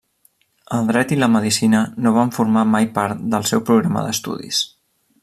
El dret i la medicina no van formar mai part del seu programa d'estudis.